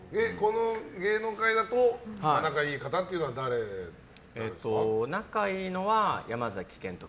芸能界だと仲いい方というのは誰なんですか？